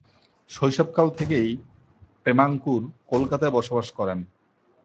শৈশবকাল থেকেই প্রেমাঙ্কুর কলকাতায় বসবাস করেন।